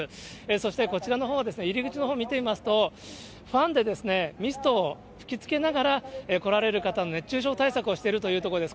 そして、こちらのほうは、入口のほう見てみますと、ファンでミストを吹きつけながら、来られる方、熱中症対策をしてるというところです。